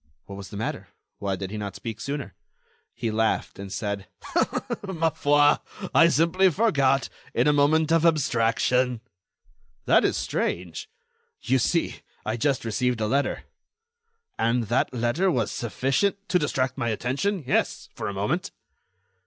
What was the matter? Why did he not speak sooner? He laughed, and said: "Ma foi! I simply forgot—in a moment of abstraction." "That is strange." "You see, I just received a letter." "And that letter was sufficient—" "To distract my attention? Yes, for a moment."